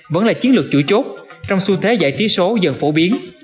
vẫn là chiến lược chủ chốt trong xu thế giải trí số dần phổ biến